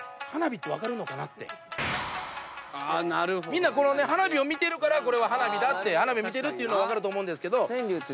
みんな花火を見てるからこれは花火だって花火見てるっていうのは分かると思うんですけど。